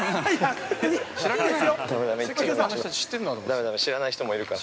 ◆だめだめ、知らない人もいるから。